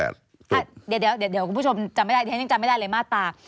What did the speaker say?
เดี๋ยวเดี๋ยวคุณผู้ชมจำไม่ได้เลยมาตรา